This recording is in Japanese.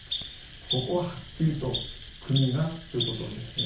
ここははっきりと「国が」っていうことをですね